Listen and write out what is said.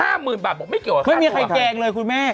ห้ามื่นบาทบอกไม่เกี่ยวกับค่าตัวฮันมีใครแกล้งเลยคุณแม่